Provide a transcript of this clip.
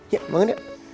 ya bangun yuk